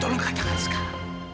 tolong katakan sekarang